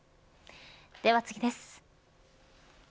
では次です。